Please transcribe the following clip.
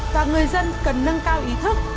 và người dân cần nâng cao ý thức